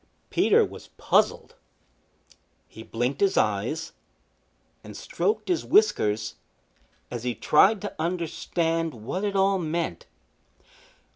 Peter was puzzled. He blinked his eyes and stroked his whiskers as he tried to understand what it all meant.